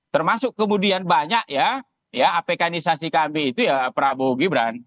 termasuk kemudian banyak ya apekanisasi kami itu ya prabowo gibran